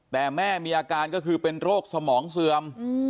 แต่แม่มีอาการก็คือเป็นโรคสมองเสื่อม